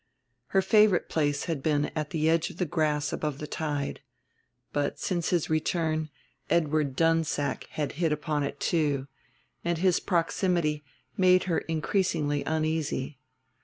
Her favorite place had been at the edge of the grass above the tide; but, since his return, Edward Dunsack had hit upon it too, and his proximity made her increasingly uneasy.